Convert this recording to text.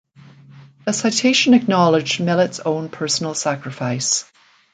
The citation acknowledged Mellett's own personal sacrifice.